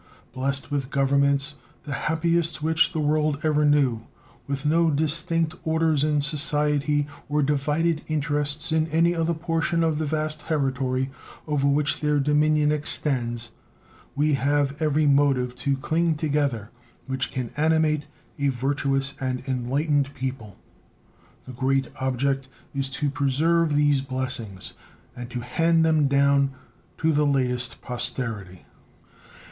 Blessed with governments the happiest which the world ever knew, with no distinct orders in society or divided interests in any portion of the vast territory over which their dominion extends, we have every motive to cling together which can animate a virtuous and enlightened people. The great object is to preserve these blessings, and to hand them down to the latest posterity.